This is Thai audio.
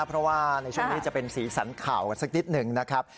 เพราะว่าในช่วงนี้จะเป็นสีสันข่าวกันสักนิดหนึ่งนะครับ